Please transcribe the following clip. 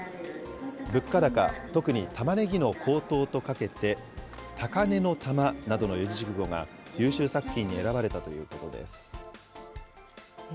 物価高、特にタマネギの高騰とかけて、高値之玉などの四字熟語が優秀作品に選ばれたということです。